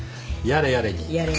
やれやれに。